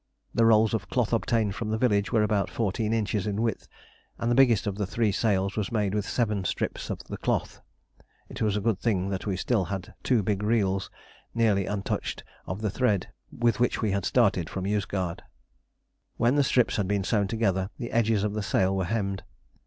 The rolls of cloth obtained from the village were about fourteen inches in width, and the biggest of the three sails was made with seven strips of the cloth. It was a good thing that we had still two big reels nearly untouched of the thread with which we had started from Yozgad. When the strips had been sewn together, the edges of the sail were hemmed.